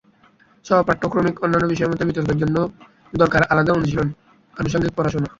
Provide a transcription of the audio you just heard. সহ-পাঠ্য-ক্রমিক অন্যান্য বিষয়ের মতো বিতর্কের জন্যেও দরকার আলাদা অনুশীলন, আনুষঙ্গিক পড়াশোনা।